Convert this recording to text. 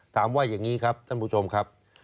ถามว่าอย่างนี้ครับท่านผู้ชมครับ